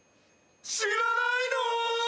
知らないの？